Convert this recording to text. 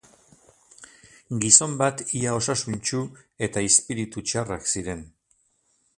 Gizon bat ia osasuntsu eta izpiritu txarrak ziren.